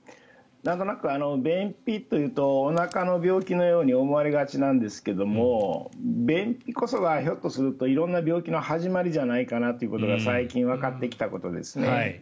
便秘というとおなかの病気のように思われがちなんですが便秘こそがひょっとすると色んな病気の始まりじゃないかということが最近わかってきたことですね。